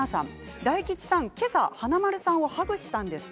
大吉さん、今朝華丸さんをハグしたんですか？